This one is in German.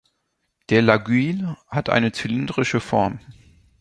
Der Laguiole hat eine zylindrische Form.